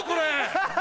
ハハハ！